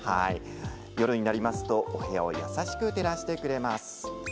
夜になるとお部屋を優しく照らしてくれます。